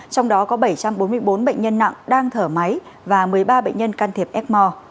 trong đó có bảy trăm bốn mươi bốn bệnh nhân nặng đang thở máy và một mươi ba bệnh nhân can thiệp ecmore